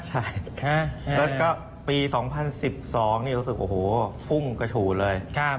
ใช่แล้วก็ปี๒๐๑๒นี่รู้สึกโอ้โหพุ่งกระฉู่เลย